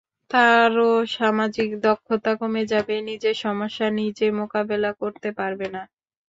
তারও সামাজিক দক্ষতা কমে যাবে, নিজের সমস্যা নিজে মোকাবিলা করতে পারবে না।